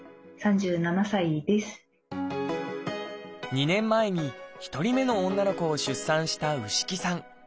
２年前に１人目の女の子を出産した牛木さん。